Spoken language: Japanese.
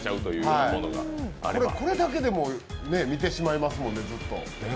これだけでも見てしまいますもん。